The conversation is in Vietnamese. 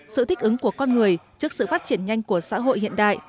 sự thích ứng của con người trước sự phát triển nhanh của xã hội hiện đại